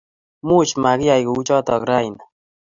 Much makiyai kuchotok raini